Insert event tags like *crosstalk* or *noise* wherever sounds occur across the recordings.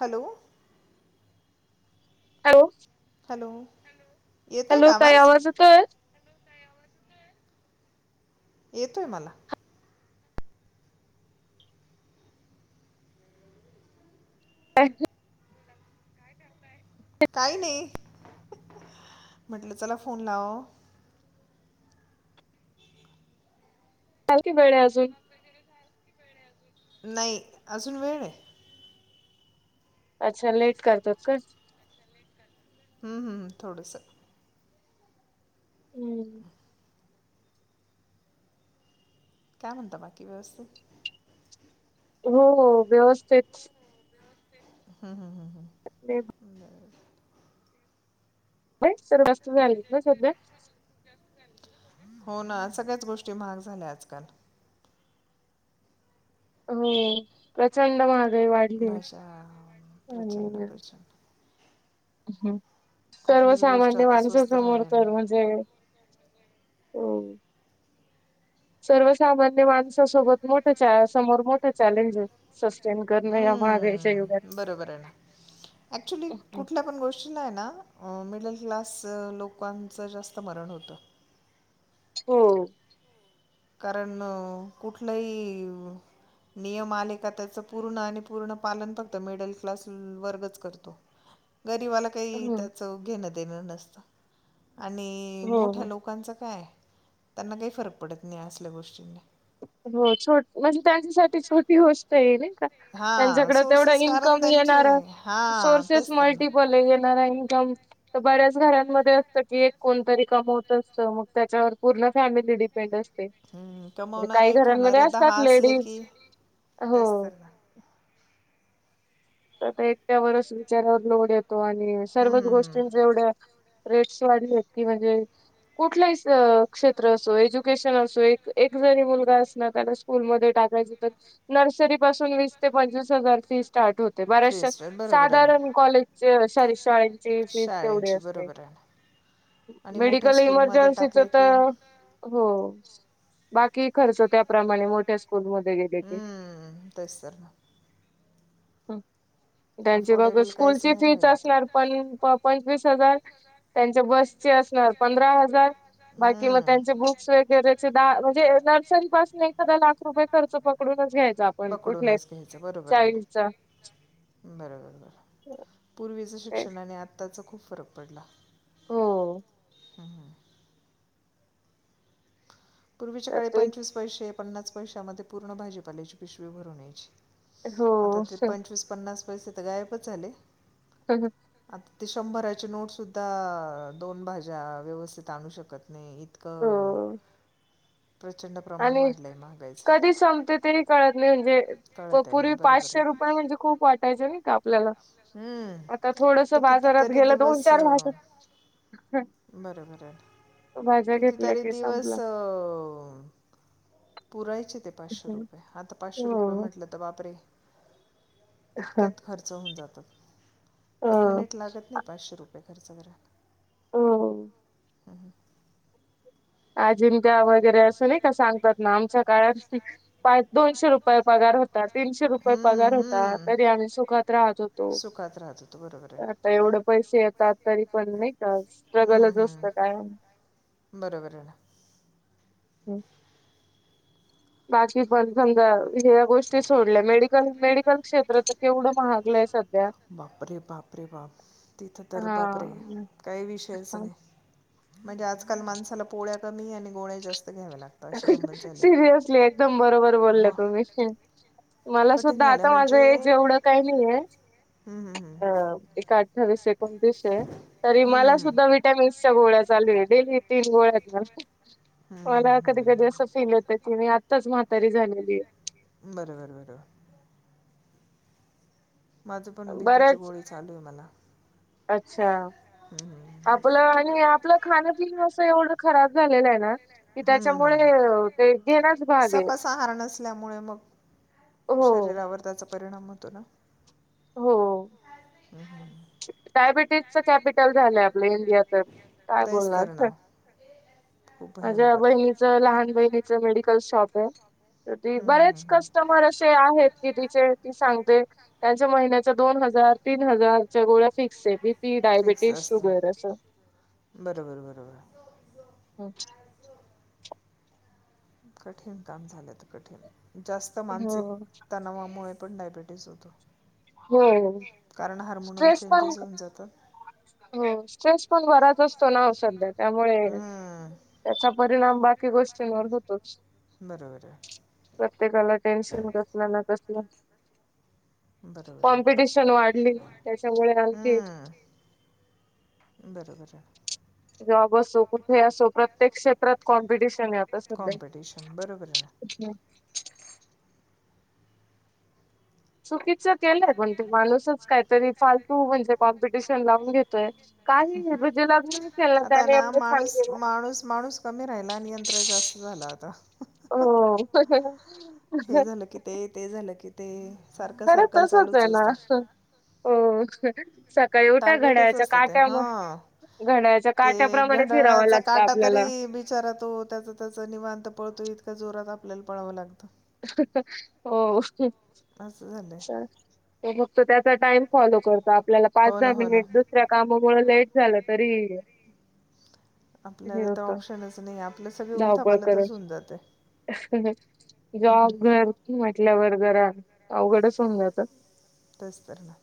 Hello. Hello. Hello. Hello. ताई आवाज येतोय? येतोय मला. अ *unintelligible* काही नाही. म्हटलं चला फोन लाव. हाय की वेळ अजून. नाही अजून वेळ हे. अच्छा लेट करतात का? हम्म हम्म थोडसं. हम्म. काय म्हणता बाकी व्यवस्थित हो व्यवस्थित. हा हा. ते स *unintelligible* र्वस् तुम्ही आलीत ना सध्या हो ना, सगळ्याच गोष्टी महाग झाल्या आजकाल हो प्रचंड माहग भाषा प्रचंड प्रचंड हम्म. सर्वसामान्य माणसा समोर तर म्हणजे सर्वसामान्य माणसा सोबत मोठ्या च्या समोर मोठ्या चॅलेंजेस अस *unintelligible* खरं नाही महागाईचं युगात. अऍक्च्युली कुठल्या पण गोष्टीला आहे ना, मिडल क्लास लोकांचं जास्त मरण होतं. हो. कारण कुठलंही नियम आले का त्याच पूर्ण, आणि पूर्ण, पालन फक्त मिडल क्लास वर्गच करतो. गरीबाला काही त्याचं घेणं देणं नसतं. आणि मोठ्या लोकांचं काय त्यांना काही फरक पडत नाही. असल्या गोष्टींना *unintelligible* हो असा येईले नई त्यांच्याकडे तेवढं इन्कम येणार सोर्सेस मल्टिपल येणार आहे. इन्कम तर बऱ्याच घरांमध्ये असत की एक कोणतरी, कमवत असतं मग त्याच्यावर पूर्ण फॅमिली डिपेंड असते. हम्म कमवणार आहे खाणारे दहा असले की तेच तर ना, तरता एकट्यावरच विचारावर लोड येतो. आणि सर्वच गोष्टीं जेवढ्या रेट्स वाढलेत की म्हणजे कुठला स अ क्षेत्र असो एज्युकेशन असो एक एक जरी मुलगा अस ना, त्याला स्कूल मध्ये टाक टाकायची तरा नर्सरी पासून वीस ते पंचवीस हजार फी स्टार्ट होते बऱ्याचश्या साधारण कॉलेज अ शाळे शाळेची फीज तेवढी असते. मेडिकल इमर्जन्सीच त हो. बाकी खर्च त्या प्रमाणे मोठ्या स्कुल मध्ये गेले ते हम्म. त्यांची बघ स्कूलची फीस असणार पण पंचवीस हजार त्यांच्या बसचे *unintelligible* पंधरा हजार बाकी मग त्यांचे बुक्स वगैरेचे दहा म्हणजे नर्सरी पासून एखादा लाख रुपये खर्च पकडून घ्यायच आपण कुठल्या चाळीसचा बरोबर बर पूर्वीच शिक्षणाने आताचा खूप फरक पडला. हो *unintelligible* पूर्वीच्या काळी पंचवीस पैसेे पन्नास पैशामध्येध्ये पूर्ण भाजीपाल्याची पिशवी भरून यायची आता ते पंचवीस पन्नास पैसे तर गायबच झाले *unintelligible* ते शंभराचे नोटसुद्धा दोन भाज्या व्यवस्थित आणू शकत नाही नाही इतकं प्रमाण वाढलाय ना कधी संपते तेही कळत नाही म्हणजे पूर्वी पाचशे रुपये म्हणजे खूप वाटायचे ना का आपल्याला आता थोडस बाजारात गेलं दोन चार भाज्या बरोबर कितीतरी दिवस अ पुरायचे ते पाचशे रुपये आता पाचशे रुपये म्हटलं तर बापरे इतक्यात खर्च होऊन जातात एक मिनिट लागत नाही पाचशे रुपये खर्च करायला हा *unintelligible* अजून वगैरे असं नाही का सांगतात ना आमच्या काळात पाच दोनशे रुपये पगार होत तीनशे रुपये पगार होता तरी आम्ही सुखात राहत होतो आता एवढं पैसे येतात तरी पण नाही का स्ट्रगलच असत काय हम्म बाकी पण समजा ह्या गोष्टी सोडल्या मेडिकल मेडिकल क्षेत्रच केवढं महागलय सध्या बापरे बापरे बाप तिथं तर बापरे काही विषयच नाही म्हणजे आजकाल माणसाला पोळ्या कमी आणि गोळ्या जास्त सिरियसली एकदम बरोबर बोलले तुम्ही मला सुद्धा आता माझं हे जेवढं काही नाही हाय अ एका तरी मला सुद्धा विटॅमिन्सच्या गोळ्या चालू डेली तीन गोळ्यात मला कधी कधी असं फील होतय की मी आत्ताच म्हातारी झालेली आहे *unintelligible* माझं पण बीबीचे गोळी चालू हाय मला अच्छा आपलं आणि आपलं खाण्यापिण असं एवढं खराब झालेला आहे ना कि त्याच्यामुळे ते घेण्याच भाग आहे शरीरावर त्याचा परिणाम होतो ना हो हम्म हम्म डायबिटीजच कॅपिटल झालंय आपलं इंडिया तर काय बोलणार माझ्या बहिणीचं लहान बहिणीच मेडिकल शॉप आहे तर ती बरेच कस्टमर असे आहेत कि तिचे ती सांगते त्यांच्या महिन्याच्या दोन हजार तीन हजारच्या गोळ्या फिक्स आहे बी पी डायबिटीज शुगर असं बरोबर बरोबर अच्छा कठीण काम झालं तर कठीण जास्त मानसिक तणावामुळे कारण डायबटी होतो कारण हार्मोनल चेंजेस होऊन जातात हो स्ट्रेस पण घरात असतो ना सध्या त्यामुळे त्याचा परिणाम बाकी गोष्टींवर होतोच प्रत्येकाला टेन्शन कसला ना कसला कॉम्पिटिशन वाढली त्याच्यामुळे आणखी बरोबर आहे. जॉब असो, कुठे असो, प्रत्येक क्षेत्रात कॉम्पिटिशन आहे आता सध्या अच्छा, *inaudible* चुकीत केय पण ते, माणूसच काहीतरी फालतू, म्हणजे कॉम्पिटिशन लावून घेतय, काही आता ना,, माणूस, माणूस, माणूस कमी राहिला आणि यंत्र जास्त झालं आता. हो,. *unintelligible* हे झालं की ते, ते झालं की ते, खरं तसच आहे ना, हो. सकाळी उठा घड्याळाच्या काट्या वर ते घंडाळाचा काटा तरी बिचारा, तो त्याचा त्याच निवांत पळतो इत त्या जोरात आपल्याला पळावं लागतं. हो. अस. अच्छा. त फक्त त्याचा टाइम फॉलो करतो. आपल्याला पाच दहा मिनिट दुसऱ्या कामामुळे लेट. झालं तरी आपल्याला तर ऑप्शनच नाही, आपलं सगळे उलथापाला तरच होऊन जाते. गाव घर म्हटल्यावर जरा अवघडच होऊन जाात. तेच तर णा.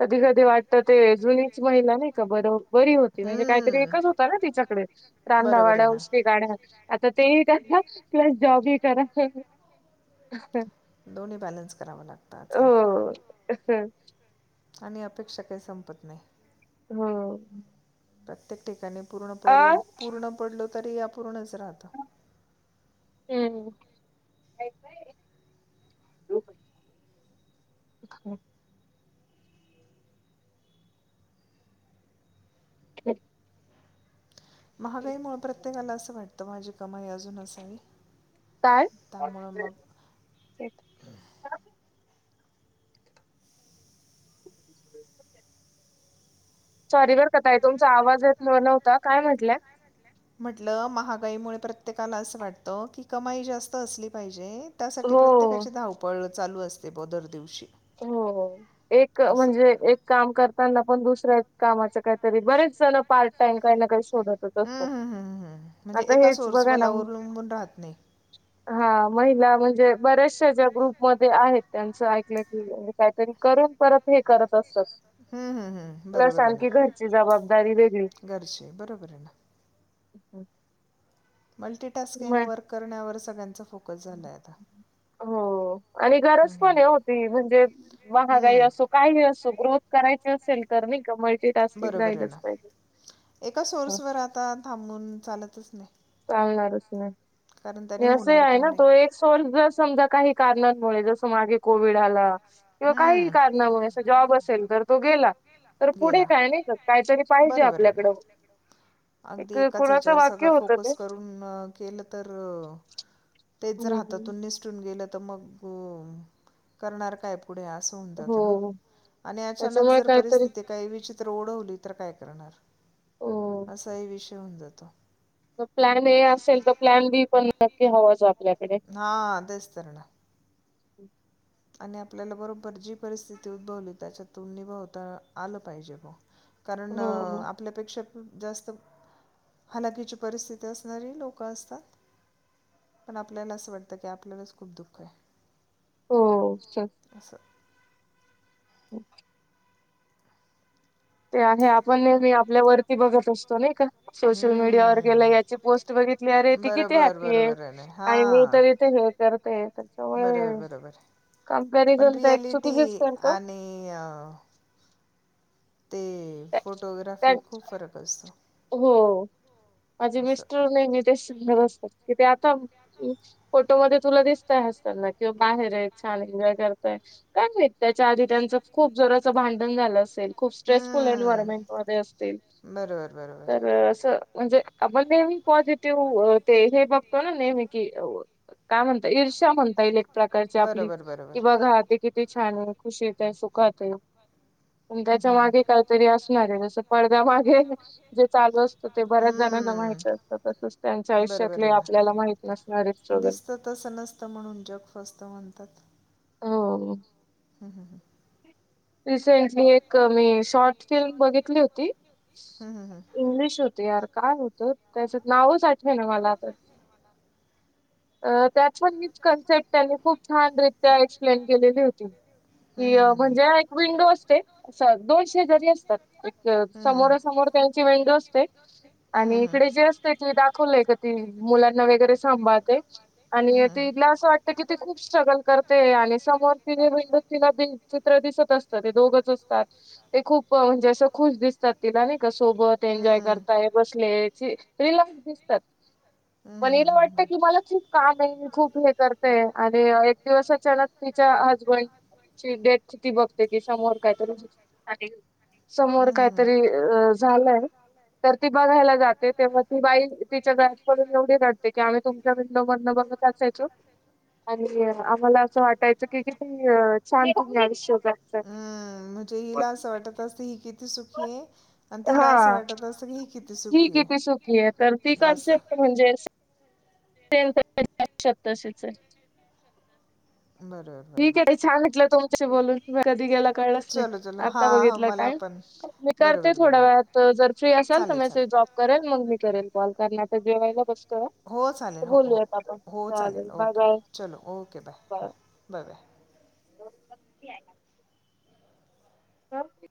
कधी कधी वाटऽऽ तर ते जुनीच महिला नाही का, बरो बरी होती, म्हणजे काहीतरी एकच होता ना तिच्याकडे रांधावा. गवश गाड्य- - आता तेही करा. प्लस जॉब ही करा. दोन्ही बॅलन्स करावं लागतं आजकाल. हम्म. आणि अपेक्षा काही संपत नाही. हो. प्रत्येक ठिकाणी पूर्ण, पूर्ण पडलो तरी अपूर्णच. कुचराात *unintelligible* *inaudible* अ. ह. महागाई मुळ प्रत्येकाला असं वाटतं माझी कमाई अजून त्यामुळं मग सॉरी बर क म्हटलं महागाईमुळे प्रत्येकाला अस वाटतं की कमाई जास्त असली पाहिजे. त्यासाठी प्रत्येकाची धावपळ चालू असते ब दर दिवशी हो,, एक म्हणजे एक काम करताना पण दुसऱ्या कामाच्या काही तरी बरेच जण पार्ट टाइम काही ना काही सोबतच असत, आता हेच बघा ना. हा महिला म्हणजे बऱ्याचशा ज्या ग्रुपमध्येआहेत त्यांच की म्हणे काहीतरी करून, परत हे करत असतात. हम्म, हम्, हम्म बरोबर आहे, ना घरचे,, बरोबर आहे ना. हम्म. मल्टी टास्किंग वर्क करण्यावर सगळ्यांचा फोकस झालाय आता. हो, आणि गरज पण होती म्हणजे, महागाई असू काही असू गृ करायच असेल तर नाई का? बरोबर आहे ना. एका सोर्स वर आता थांबून चालतच नाही. चालणारच नाही असे आहे ना तो एक सॉर् जर समजा काही कारणमुळे जस मागे कोविड आला. किंवा काही कारणामुळे अस जॉब असेल तर तो गेला. तर पुढे काय नाही का काहीतरी पाहिजे आपल्याकडं. एक कोणाचं वाक्य होत ते. ह. का? पु जात अचा जर परिथि काच ओढवली तर काय करणार असा ह विषय होऊन जातो. प्लॅन ए असेल तर प्लॅन बी पण नक्की हवं जो आपल्याकडे विसर ह. आणि आपल्याला बरोबर जी परिस्थिती उद्भवली त्याच्यातूनून निभवता आलं पाहिजे ब कारण आपल्यापेक्षा जास्त हलाखीची परिस्थिती असणारी लोक असतात पण आपल्याला असं वाटतं की आपल्यालाच खूप दुःख आहे हो चल हो ते आहे आपण नेहमी आपल्या वरती बघत असतो नाही का सोशल मीडियावरर गेलं याची पोस्ट बघितली अरे ती किती हॅप्पी आहे आणि मी त इथे हे करते बरोबर बरोबर पण रियालिटी आणि ते फोटोग्राफी खूप फरक असतो हो माझी मिस्टर नाही मी ते असतात कि आता फोटो मध्ये तुला दिसतय असताना किंवा बाहेर आहे छान आहे जय करताय कारण नाही त्याच्या आधी त्यांच खूप जोराचं भांडण झालं असेल खूप स्ट्रेसफुल एन्वयरमेंट मध्ये असतील तर अस म्हणजे आपण नेहमी पॉझिटिव्ह ते हे बघतो ना नेहमी की काय म्हणत ईर्षा म्हणत ताईल एक प्रकारची आपली कि बघाहते किती छान आहे खुशी येत आहे सुखात आहे पण त्याच्या मागे काहीतरी असणार आहे जस पडद्यामागे जे चालू असतो ते बऱ्याच जणांना माहित असतं तसच त्यांच्या आयुष्यातले आपल्याला माहित नसणारे दिसत तसं नसतं म्हणून जग फस्त म्हणतात ह हम हम ह रिसेंटली एक मी शॉर्ट फिल्म बघितली होती इंग्लिश होतीर काय होतं त्याचं नावच आठवे ना मला आता अ त्यात पण न कन्से्ट त्यानी खूप छान रित्या एक्सप्लेन केलेली होती की म्हणजे विंडो अस दोन शेजारी असतात एक समोरा समोर त्यांची विंडो असते आणि इकडे जे असते त दाखवलंय का ती मुलांना वगैरे सांभाळते आणि ती तिला असं वाटत कि ती खूप स्ट्रगल करते आणि समोर तिने विंडू तिला चित्र दिसत असते दोघच असतात ते खूप म्हणजे अस खुश दिसतात तिला नाही का सोबत एन्जॉय करता बसल्या रिक्स दिसतात पणला वाटत की मला खूप काम ये खूप हे करत आणि एक दिवस अचानक तिच्या हजबंड ची डेथ ती बघते समोर काहीतरी समोर काहीतरी झालंय तर ती बघायला जाते तेव्हा ती बाई तिच्या गकडून एवढी रडते की आम्ही तुमच्या बिंडोध बघ ायचो आणि आम्हाला असं वाटायचं की किती छान पम आयुष्य जा आहे अम म्हणजे हिला असं वाटत असते ही कि खी आहे आणि तिला असं वाटत अस की हि किती सुखी आहे अस म्हणजेऽऽ ठीक आहे ताई, छान म्हटलं तोमच्याशी बोलून, वेळ कधी गेलाऽऽ कळच नाही, आता बघितला टाईम, मी करते थोड वेळात जर फ्री असाल तर मेसेऽऽ ॉप करेल, मग मी करेल कॉल, कारण आता जेवायला बसऽऽ हो ऽचालेल, हो, हो, हो चालेल, ओके चलो, ओके, बाय हा. बघ आहे *inaudible* बापऽऽ